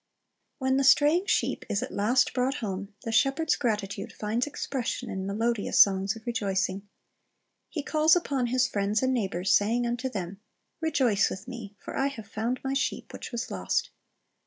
When the straying sheep is at last brought home, the shepherd's gratitude finds expression in melodious songs of rejoicing. He calls upon his friends and neighbors, saying unto them, "Rejoice with me; for I have found my sheep which was lost."